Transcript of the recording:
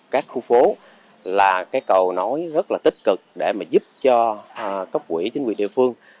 các khu phố là cái cầu nối rất là tích cực để mà giúp cho cấp quỹ chính quyền địa phương